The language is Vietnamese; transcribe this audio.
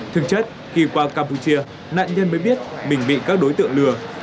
thực chất khi qua campuchia nạn nhân mới biết mình bị các đối tượng lừa